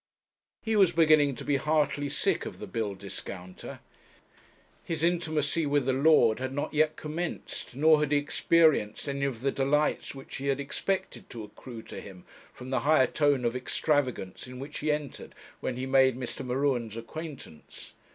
He was beginning to be heartily sick of the bill discounter. His intimacy with the lord had not yet commenced, nor had he experienced any of the delights which he had expected to accrue to him from the higher tone of extravagance in which he entered when he made Mr. M'Ruen's acquaintance.